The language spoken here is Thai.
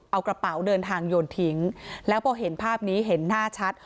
เอากระเป๋าเดินทางโยนทิ้งแล้วพอเห็นภาพนี้เห็นหน้าชัด